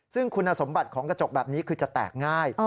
ซึ่งคุณสมบัติของกระจกแบบนี้คือจะแตกง่าย